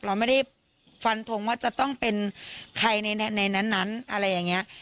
เราไม่ได้ฟันทงว่าจะต้องเป็นใครในนั้นอะไรอย่างนี้